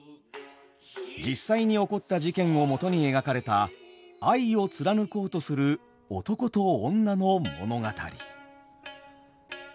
実際に起こった事件をもとに描かれた愛を貫こうとする男と女の物語。